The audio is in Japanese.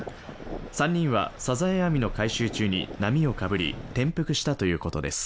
３人は、サザエ網の回収中に波をかぶり、転覆したということです。